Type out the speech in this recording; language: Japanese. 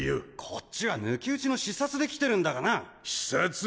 こっちは抜き打ちの視察で来てるんだがな視察？